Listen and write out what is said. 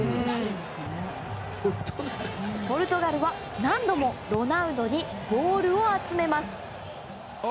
ポルトガルは何度もロナウドにボールを集めます。